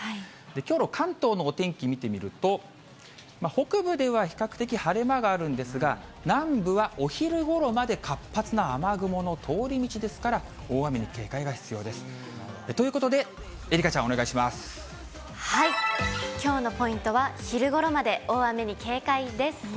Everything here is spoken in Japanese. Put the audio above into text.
きょうの関東のお天気見てみると、北部では比較的、晴れ間があるんですが、南部はお昼ごろまで活発な雨雲の通り道ですから、大雨に警戒が必要です。ということで、愛花ちゃん、きょうのポイントは、昼ごろまで大雨に警戒です。